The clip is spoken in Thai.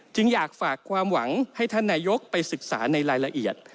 อยากฝากความหวังให้ท่านนายกไปศึกษาในรายละเอียด